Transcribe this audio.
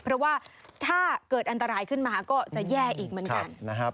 เพราะว่าถ้าเกิดอันตรายขึ้นมาก็จะแย่อีกเหมือนกันนะครับ